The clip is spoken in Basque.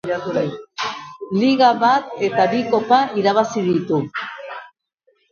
Liga bat eta bi kopa irabazi ditu.